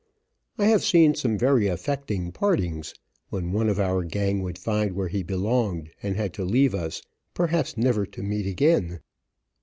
I have seen some very affecting partings, when one of our gang would find where he belonged and had to leave us, perhaps never to meet again.